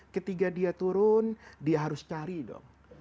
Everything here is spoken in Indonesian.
ketika dia turun dia harus cari dong